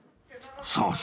そうそう。